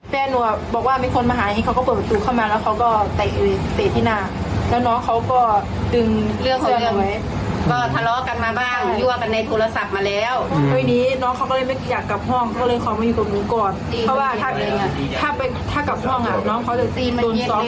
เพราะฉะนั้นเขาก็ไม่พูดอะไรเลยนะสอบอย่างเดียวเลย